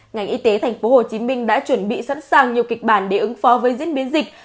ngành y tế thành phố hồ chí minh đã chuẩn bị sẵn sàng nhiều kịch bản để ứng phó với diễn biến dịch